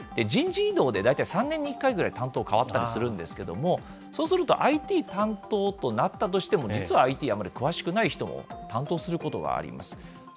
人事異動で、大体３年に１回ぐらい担当変わったりするんですけれども、そうすると、ＩＴ担当となったとしても、実はＩＴにあまり詳しくない人も担当することがあります。